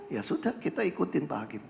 ya sudah kita ikutin pak hakim